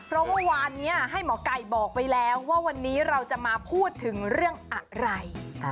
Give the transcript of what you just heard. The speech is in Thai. เพราะเมื่อวานนี้ให้หมอไก่บอกไปแล้วว่าวันนี้เราจะมาพูดถึงเรื่องอะไร